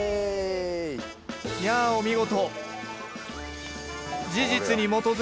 やあお見事！